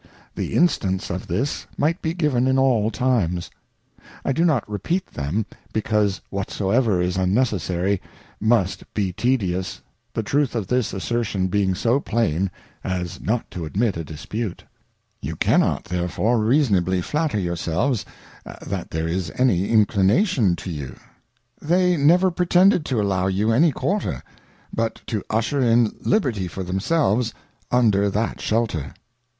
The Instances of this might be given in all times. I do not repeat them, because whatsoever is unnecessary, must be tedious, the truth of this Assertion being so plain, as not to admit a Dispute. You cannot therefore reasonably flatter your selves, that there is any Inclination to you. They ^ never pretended_to allow you any Quarter, but to usher in Liberty for themselves under that shelter.